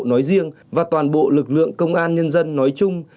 nói riêng và toàn bộ lực lượng công an nhân dân nói chung